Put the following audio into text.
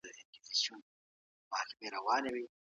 تقاضا باید د عرضې په اندازه وي.